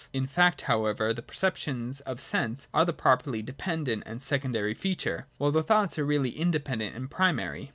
In fact however the perceptions of sense are the properly dependent and secondary feature, while the thoughts are really inde pendent and primary.